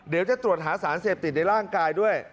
เดี๋ยวจะตรวจหาสารเสพติดในร่างกายด้วย